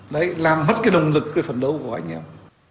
đấy làm mất cái động lực cái phấn đấu của anh em